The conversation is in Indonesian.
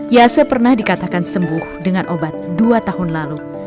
yase pernah dikatakan sembuh dengan obat dua tahun lalu